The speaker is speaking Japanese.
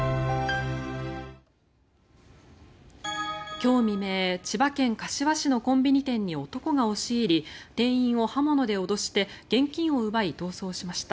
今日未明千葉県柏市のコンビニ店に男が押し入り店員を刃物で脅して現金を奪い、逃走しました。